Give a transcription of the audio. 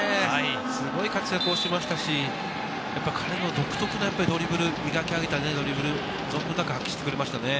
すごい活躍しましたし、彼の独特なドリブル、磨き上げたドリブル、存分に発揮してくれましたね。